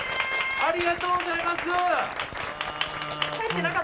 ありがとうございます。